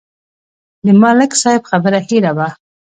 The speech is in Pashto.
د ملک صاحب خبره هېره وه.